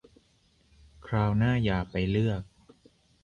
คราวหน้าอย่าไปเลือก